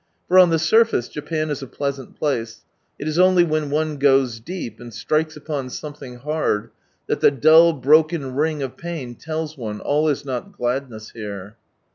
For on the surfjce, japan is a pleasant place, it is only when one goes deep, and strikes up^n something hard, that the dull broken ring of pain tells one, all is not gladness there.